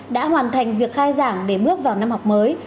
đã hoàn thành việc khai giảng để bước vào năm học mới